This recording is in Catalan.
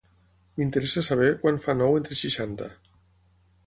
M'interessa saber quant fa nou entre seixanta.